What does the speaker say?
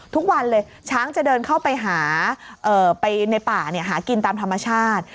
ทุกวันเลยช้างจะเดินเข้าไปหาไปในป่าหากินตามธรรมชาติ